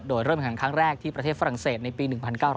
โดยเริ่มแข่งครั้งแรกที่ประเทศฝรั่งเศสในปี๑๙๙